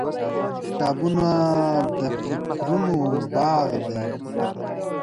• کتابونه د فکرونو باغ دی.